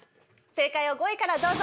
正解を５位からどうぞ。